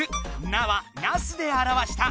「な」は「ナス」であらわした！